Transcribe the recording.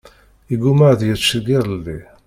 Iguma ad yečč seg iḍelli.